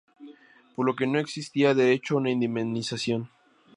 Por lo que no existía derecho a una indemnización.